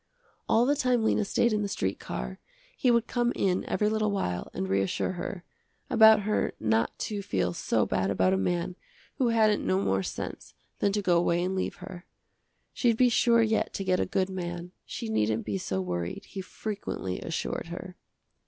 All the time Lena stayed in the street car, he would come in every little while and reassure her, about her not to feel so bad about a man who hadn't no more sense than to go away and leave her. She'd be sure yet to get a good man, she needn't be so worried, he frequently assured her.